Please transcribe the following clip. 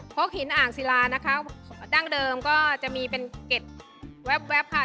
กหินอ่างศิลานะคะดั้งเดิมก็จะมีเป็นเก็ดแว๊บค่ะ